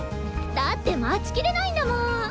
だって待ちきれないんだもん。